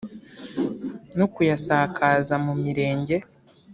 no kuyasakaza mu Mirenge